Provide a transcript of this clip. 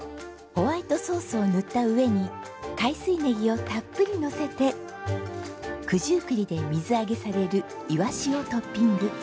ホワイトソースを塗った上に海水ねぎをたっぷりのせて九十九里で水揚げされるイワシをトッピング。